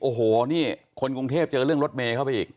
โอ้โหนี่คนกรุงเทพเจอเรื่องรถเมย์เข้าไปอีก